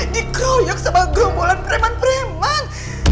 dikroyok sama gembolan preman preman